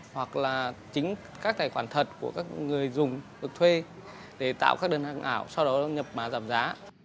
hoặc là chính các tài khoản thật của các người dùng được thuê để tạo các đơn hàng ảo sau đó nhập mã giảm giá